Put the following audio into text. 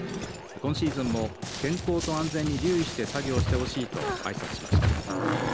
今シーズンも健康と安全に留意して作業してほしいとあいさつしました。